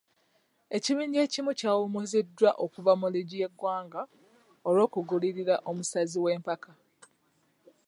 Ekibiinja ekimu kyawumuziddwa okuva mu liigi y'eggwanga olwokugulirira omusazi w'empaka.